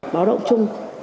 báo động chung